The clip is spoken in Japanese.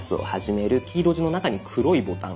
黄色地の中に黒いボタン。